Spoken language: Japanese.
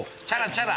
チャラ！